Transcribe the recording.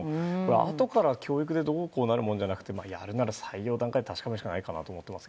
あとから教育でどうこうなるものではなくてやるなら採用段階で確かめるしかないかなと思います。